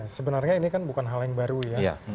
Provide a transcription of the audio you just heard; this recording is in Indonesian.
sebenarnya ini kan bukan hal yang baru ya